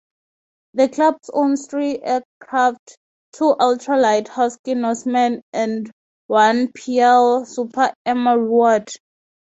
The club owns three aircraft, two ultra-light Husky Norseman and one Piel Super Emeraude.